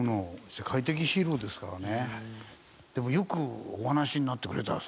でもよくお話しになってくれたんですね。